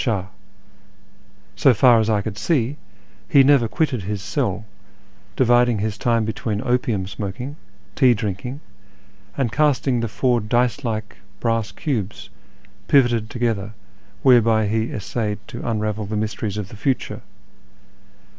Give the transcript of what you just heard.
So far as I could see, he never quitted his cell, dividing his time between opium smoking, tea drinking, and casting the four dice like brass cubes pivoted together whereby he essayed to unravel the mysteries of the future.